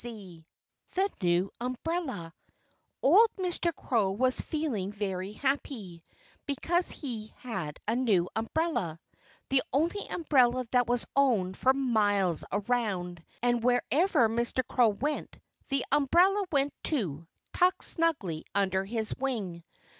VIII THE NEW UMBRELLA Old Mr. Crow was feeling very happy, because he had a new umbrella the only umbrella that was owned for miles around. And wherever Mr. Crow went, the umbrella went too, tucked snugly under his wing.